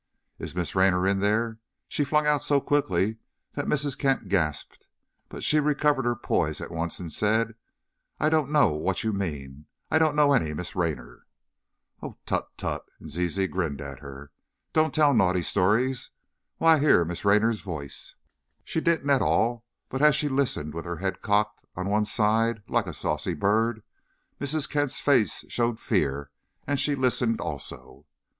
"Is Miss Raynor in there?" she flung out so quickly that Mrs. Kent gasped. But she recovered her poise at once and said, "I don't know what you mean, I don't know any Miss Raynor." "Oh, tut, tut!" and Zizi grinned at her; "don't tell naughty stories! Why, I hear Miss Raynor's voice!" She didn't at all, but as she listened, with her head cocked on one side, like a saucy bird, Mrs. Kent's face showed fear, and she listened also.